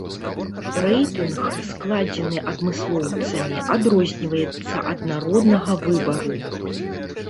Рэйтынг, складзены адмыслоўцамі, адрозніваецца ад народнага выбару.